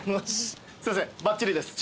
すいませんばっちりです注文。